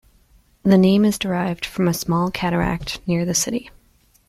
The name is derived from a small cataract near the city.